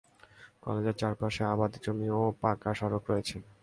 কলেজের চারপাশে আবাদী জমি এবং পাঁকা সড়ক রয়েছে।